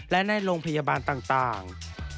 และในโรงพยาบาลต่าง